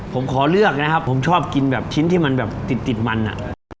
ผมขอเลือกนะครับผมชอบกินแบบชิ้นที่มันแบบติดติดมันอ่ะ